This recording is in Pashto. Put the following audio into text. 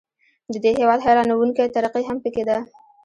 د دې هیواد حیرانوونکې ترقي هم پکې ده.